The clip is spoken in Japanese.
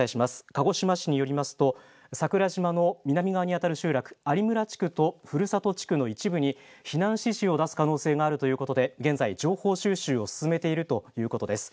鹿児島市によりますと桜島の南側にあたる集落、有村地区と古里地区の一部に避難指示を出す可能性があるということで現在、情報収集を進めているということです。